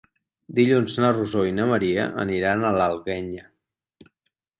Dilluns na Rosó i na Maria aniran a l'Alguenya.